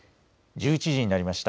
１１時になりました。